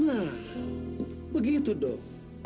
nah begitu dong